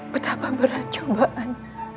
betapa berat cobaan